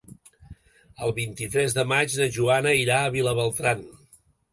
El vint-i-tres de maig na Joana irà a Vilabertran.